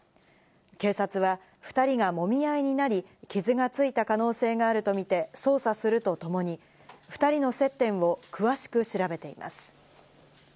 警察は２人がもみ合いになり、傷がついた可能性があるとみて捜査するとともに、２人の接点を詳しく調べています。